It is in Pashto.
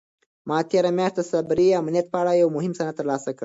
ما تېره میاشت د سایبري امنیت په اړه یو مهم سند ترلاسه کړ.